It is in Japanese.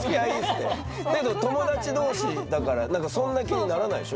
だけど友達同士だからそんな気にならないでしょ？